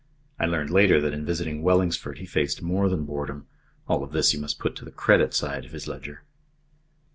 I learned later that in visiting Wellingsford he faced more than boredom. All of this you must put to the credit side of his ledger.